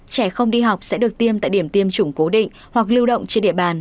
trẻ không đi học sẽ được tiêm tại điểm tiêm chủng cố định hoặc lưu động trên địa bàn